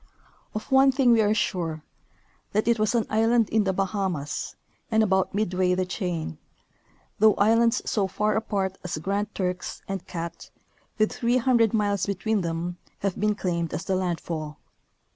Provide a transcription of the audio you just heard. Of one thing we are sure, that it was an island in the Baha mas and about midway the chain, though islands so far apart as Grand Turks and Cat, with 300 miles between them, have been claimed as the landfall.